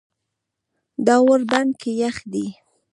دا ور بند که یخ دی.